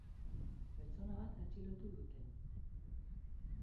Pertsona bat atxilotu dute.